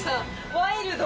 ワイルド。